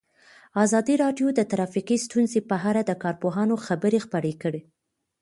ازادي راډیو د ټرافیکي ستونزې په اړه د کارپوهانو خبرې خپرې کړي.